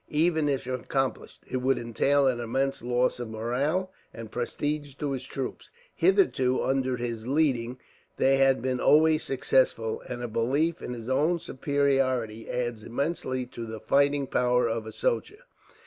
Even if accomplished, it would entail an immense loss of morale and prestige to his troops. Hitherto, under his leading, they had been always successful; and a belief in his own superiority adds immensely to the fighting power of a soldier.